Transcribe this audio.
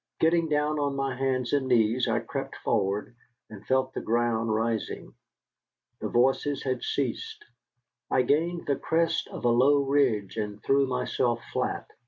Getting down on my hands and knees, I crept forward, and felt the ground rising. The voices had ceased. I gained the crest of a low ridge, and threw myself flat.